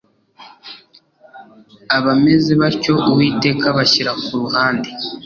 abameze batyo Uwiteka abashyira ku ruhande.